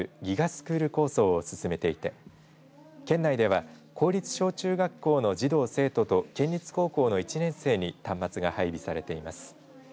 スクール構想を進めていて県内では公立小中学校の児童、生徒と県立高校の１年生に端末が配備されています。